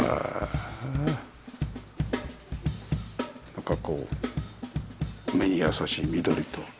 なんかこう目に優しい緑と。